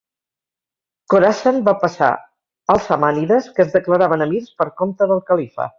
Khorasan va passar als samànides que es declaraven emirs per compte del califa.